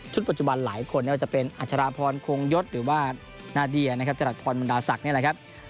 ชุดปัจจุบันหลายคนจะเป็นอาชาราพรโคงยศหรือว่านาเดียจรัสพรบรรดาศักดิ์